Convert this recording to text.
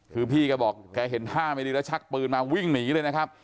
คือพี่แกบอกแกเห็นท่าไม่ดีแล้วชักปืนมาวิ่งหนีเลยนะครับ